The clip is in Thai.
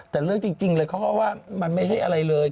แต่เรื่องจริงเลยเขาก็ว่ามันไม่ใช่อะไรเลย